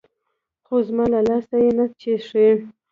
خو زما له لاسه يې نه چښي.